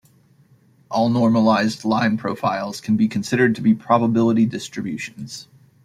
All normalized line profiles can be considered to be probability distributions.